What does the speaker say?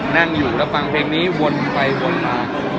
ต้องรู้มีแวล์ไหมครับ